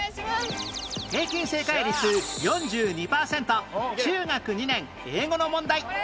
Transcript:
平均正解率４２パーセント中学２年英語の問題